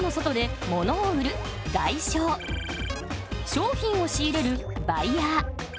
商品を仕入れるバイヤー。